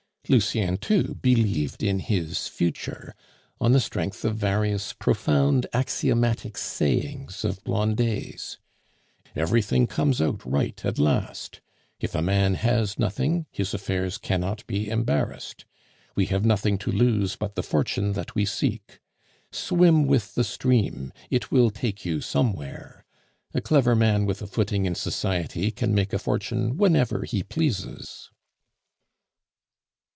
Lucien, too, believed in his future on the strength of various profound axiomatic sayings of Blondet's: "Everything comes out all right at last If a man has nothing, his affairs cannot be embarrassed We have nothing to lose but the fortune that we seek Swim with the stream; it will take you somewhere A clever man with a footing in society can make a fortune whenever he pleases."